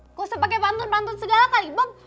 kok usah pake pantun pantun segala kali bob